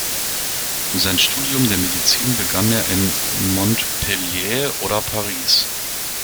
Sein Studium der Medizin begann er in Montpellier oder Paris.